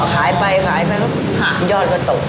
ขายไปอย่อยอดก็ตก